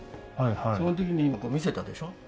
その時に今見せたでしょ？